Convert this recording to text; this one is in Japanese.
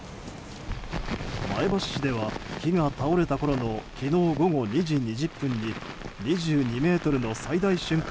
前橋市では木が倒れたころの昨日午後２時２０分に２２メートルの最大瞬間